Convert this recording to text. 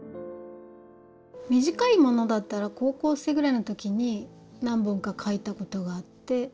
短いものだったら高校生ぐらいの時に何本か描いたことがあって。